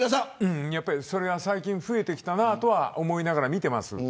それは最近、増えてきたなと思いながら見ています。